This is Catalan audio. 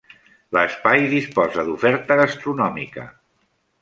L'espai disposa d'oferta gastronòmica.